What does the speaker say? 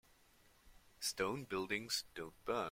Stone buildings don't burn.